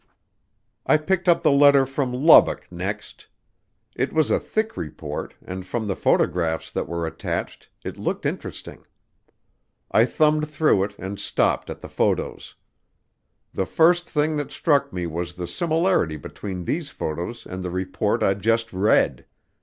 I picked up the letter from Lubbock next. It was a thick report, and from the photographs that were attached, it looked interesting. I thumbed through it and stopped at the photos. The first thing that struck me was the similarity between these photos and the report I'd just read.